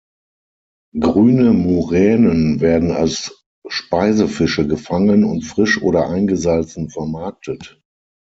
Grüne Muränen werden als Speisefische gefangen und frisch oder eingesalzen vermarktet.